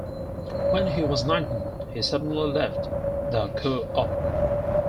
When he was nineteen he suddenly left the Co-op.